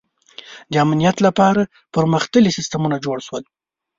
• د امنیت لپاره پرمختللي سیستمونه جوړ شول.